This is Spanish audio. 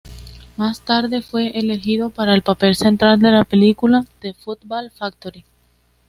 Más tarde fue elegido para el papel central de la película "The Football Factory".